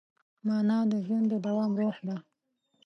مانا د ژوند د دوام روح ده.